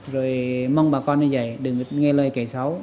rồi mong bà con như vậy đừng nghe lời kể xấu